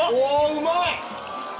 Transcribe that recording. うまい！